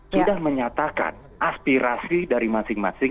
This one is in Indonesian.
sudah menyatakan aspirasi dari masing masing